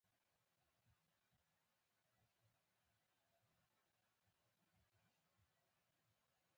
ورزش د بدن د غړو تناسب ساتي.